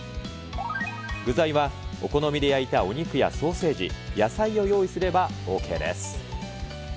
具材はお好みで焼いたお肉やソーセージ、野菜を用意すればＯＫです。